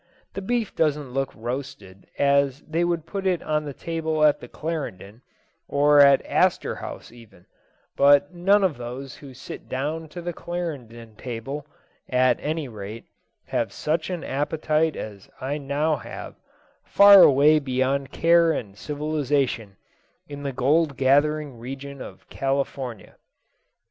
The beef doesn't look roasted as they would put it on the table at the Clarendon, or at Astor House even; but none of those who sit down to the Clarendon table, at any rate, have such an appetite as I now have, far away beyond care and civilisation, in the gold gathering region of California.